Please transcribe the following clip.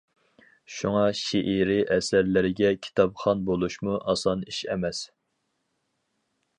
شۇڭا شېئىرىي ئەسەرلەرگە كىتابخان بولۇشمۇ ئاسان ئىش ئەمەس.